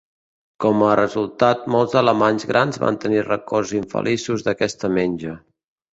Com a resultat, molts alemanys grans van tenir records infeliços d'aquesta menja.